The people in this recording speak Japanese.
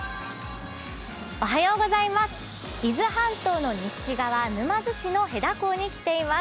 伊豆半島の西側、沼津市の戸田港に来ています。